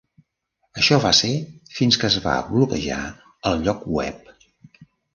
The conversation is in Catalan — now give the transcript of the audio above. Això va ser fins que es va bloquejar el lloc web.